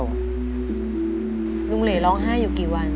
ลุงเหลร้องไห้อยู่กี่วัน